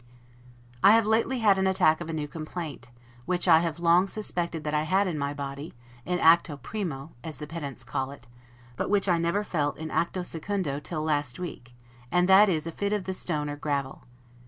I have lately had an attack of a new complaint, which I have long suspected that I had in my body, 'in actu primo', as the pedants call it, but which I never felt in 'actu secundo' till last week, and that is a fit of the stone or gravel.